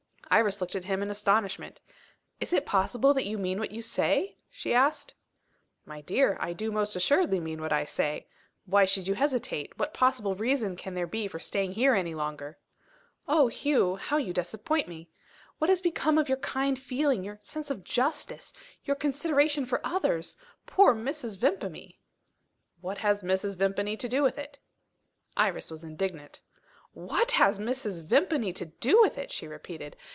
Iris looked at him in astonishment. "Is it possible that you mean what you say?" she asked. "My dear, I do most assuredly mean what I say. Why should you hesitate? What possible reason can there be for staying here any longer?" "Oh, Hugh, how you disappoint me! What has become of your kind feeling, your sense of justice, your consideration for others? Poor Mrs. Vimpany!" "What has Mrs. Vimpany to do with it?" Iris was indignant. "What has Mrs. Vimpany to do with it?" she repeated.